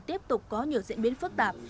tiếp tục có nhiều diễn biến phức tạp